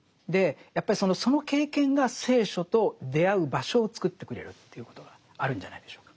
やっぱりその経験が聖書と出会う場所をつくってくれるということがあるんじゃないでしょうか。